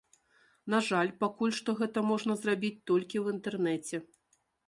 На жаль пакуль што гэта можна зрабіць толькі ў інтэрнэце.